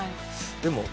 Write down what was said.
でも